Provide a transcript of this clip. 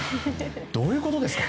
どういうことですか？